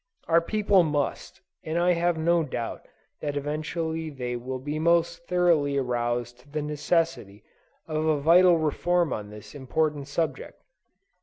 Our people must, and I have no doubt that eventually they will be most thoroughly aroused to the necessity of a vital reform on this important subject.